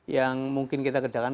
yang mungkin kita kerjakan